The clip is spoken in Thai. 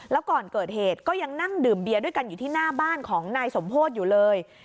แล้วก่อนเกิดเหตุก็ยังนั่งดื่มเบียร์ด้วยกันอยู่ที่หน้าบ้านของนายสมโพธิอยู่เลย